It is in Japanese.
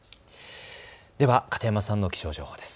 では片山さんの気象情報です。